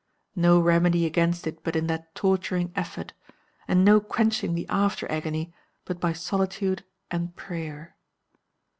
No remedy against it but in that torturing effort, and no quenching the after agony but by solitude and prayer.